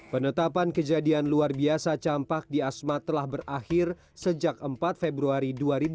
penetapan kejadian luar biasa campak di asmat telah berakhir sejak empat februari dua ribu dua puluh